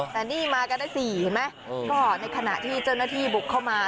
แต่นี่มากันได้สี่เห็นไหมก็ในขณะที่เจ้าหน้าที่บุกเข้ามา